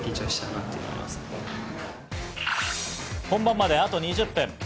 本番まであと２０分。